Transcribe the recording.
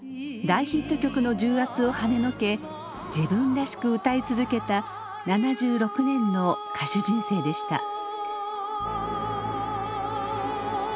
大ヒット曲の重圧をはねのけ自分らしく歌い続けた７６年の歌手人生でした。